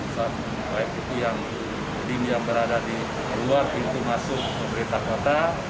soal tim yang berada di luar pintu masuk ke berita kota